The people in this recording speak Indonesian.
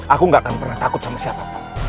aku gak akan pernah takut sama siapa